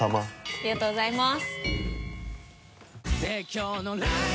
ありがとうございます。